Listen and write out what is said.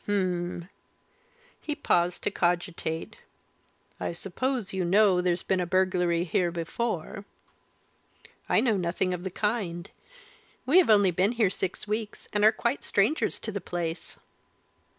"Hum!" He paused to cogitate. "I suppose you know there's been a burglary here before?" "I know nothing of the kind. We have only been here six weeks, and are quite strangers to the place."